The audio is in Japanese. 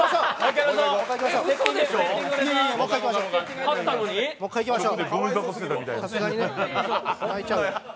もう一回、いきましょう。